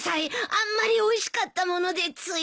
あんまりおいしかったものでつい。